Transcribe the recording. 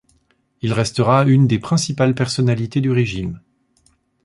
Il restera une des principales personnalités du régime.